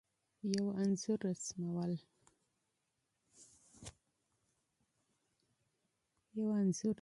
یو انځور رسمول